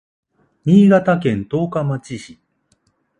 新潟県十日町市